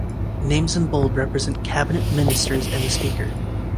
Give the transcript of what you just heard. Names in bold represent cabinet ministers and the Speaker.